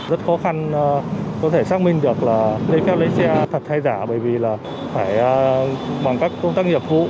rất khó khăn có thể xác minh được là lấy phép lái xe thật hay giả bởi vì là phải bằng các công tác nghiệp phụ